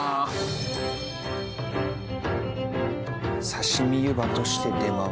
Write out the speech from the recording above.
刺身湯葉として出回る。